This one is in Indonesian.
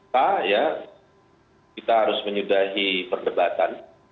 jadi kita harus menyudahi perdebatan